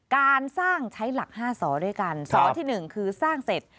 การสร้างใช้หลัก๕สอด้วยกันสอที่๑คือสร้างเสร็จ